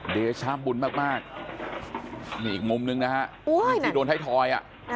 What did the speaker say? เดชะบุญมากนี่อีกมุมนึงนะฮะที่โดนไทยทอยอ่ะ